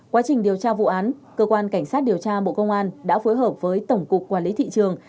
quá trình điều tra vụ án cơ quan cảnh sát điều tra bộ công an đã phối hợp với tổng cục quản lý thị trường